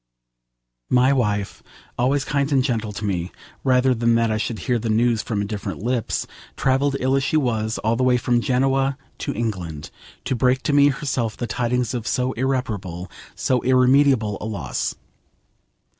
My wife, always kind and gentle to me, rather than that I should hear the news from indifferent lips, travelled, ill as she was, all the way from Genoa to England to break to me herself the tidings of so irreparable, so irremediable, a loss.